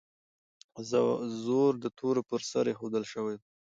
زور د تورو پر سر ایښودل شوی و.